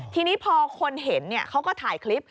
ทีนี้พอคนเห็นเขาก็ถ่ายคลิป